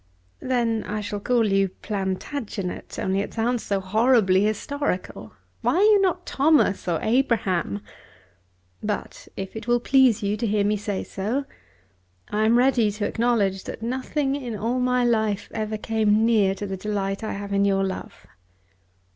"Then I shall call you Plantagenet; only it sounds so horribly historical. Why are you not Thomas or Abraham? But if it will please you to hear me say so, I am ready to acknowledge that nothing in all my life ever came near to the delight I have in your love."